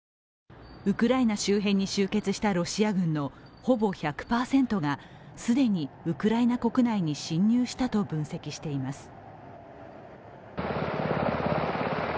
ウクライナ周辺に集結したロシア軍のほぼ１００％が既にウクライナ国内に侵入したと分析しています。